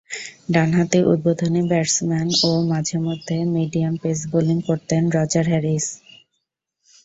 ডানহাতি উদ্বোধনী ব্যাটসম্যান ও মাঝে-মধ্যে মিডিয়াম-পেস বোলিং করতেন রজার হ্যারিস।